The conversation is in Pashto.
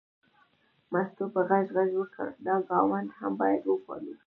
مستو په غږ غږ وکړ دا ګاونډ هم باید وپالو.